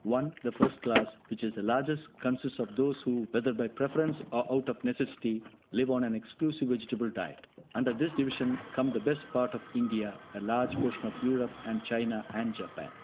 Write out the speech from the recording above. (1) The first class, which is the largest, consists of those who, whether by preference or out of necessity, live on an exclusive vegetable diet. Under this division come the best part of India, a large portion of Europe, and China and Japan.